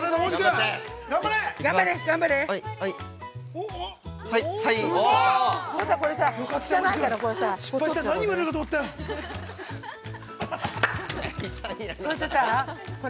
頑張れ。